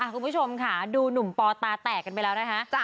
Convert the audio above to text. คุณผู้ชมค่ะดูหนุ่มปอตาแตกกันไปแล้วนะคะ